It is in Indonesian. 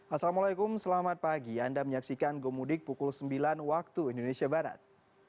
assalamualaikum selamat pagi anda menyaksikan gomudik pukul sembilan waktu indonesia barat